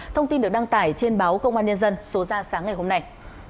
thông tin được đăng tải trên báo công an nhân dân số ra sáng ngày hôm nay